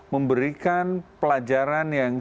memberikan pelajaran yang